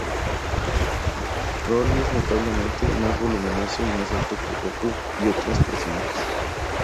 Broly es notablemente más voluminoso y más alto que Goku y otros personajes.